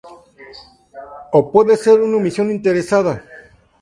o puede ser una omisión interesada